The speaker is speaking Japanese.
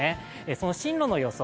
その進路の予想